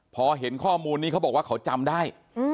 พอเห็นข้อมูลนี้เขาบอกว่าเขาจำได้